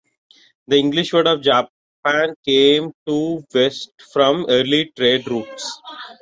The English word for Japan came to the West from early trade routes.